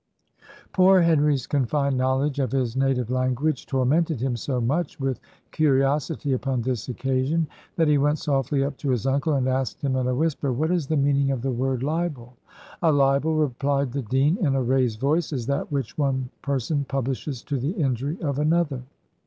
Poor Henry's confined knowledge of his native language tormented him so much with curiosity upon this occasion, that he went softly up to his uncle, and asked him in a whisper, "What is the meaning of the word libel?" "A libel," replied the dean, in a raised voice, "is that which one person publishes to the injury of another."